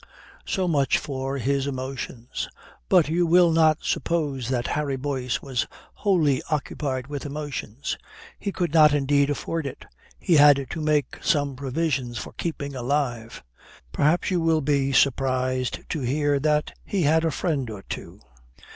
So much for his emotions. But you will not suppose that Harry Boyce was wholly occupied with emotions. He could not indeed afford it. He had to make some provision for keeping alive. Perhaps you will be surprised to hear that he had a friend or two.